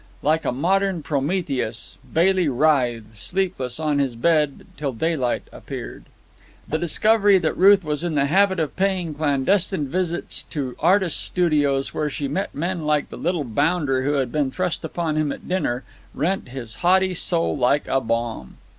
Like a modern Prometheus, Bailey writhed, sleepless, on his bed till daylight appeared. The discovery that Ruth was in the habit of paying clandestine visits to artists' studios, where she met men like the little bounder who had been thrust upon him at supper, rent his haughty soul like a bomb.